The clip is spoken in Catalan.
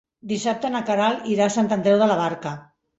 Dissabte na Queralt irà a Sant Andreu de la Barca.